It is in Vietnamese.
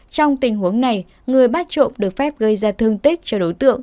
trong tình huống này người bắt trộm được phép gây ra thương tích cho đối tượng